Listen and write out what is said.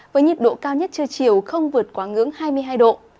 với nhiệt độ cao nhất trưa chiều không vượt quá ngưỡng hai mươi hai độ